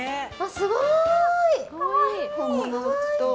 すごい！